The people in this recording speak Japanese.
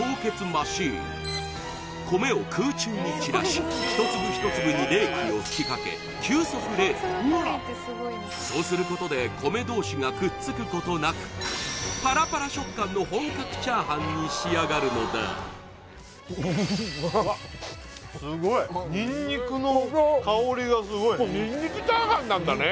マシーン米を空中に散らし一粒一粒に冷気を吹きかけ急速冷凍そうすることで米同士がくっつくことなくパラパラ食感の本格チャーハンに仕上がるのだすごいニンニクチャーハンなんだね